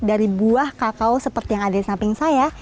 dari buah kakao seperti yang ada di samping saya